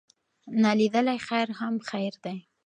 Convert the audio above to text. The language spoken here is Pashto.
نا لیدلی خیر هم خیر دی.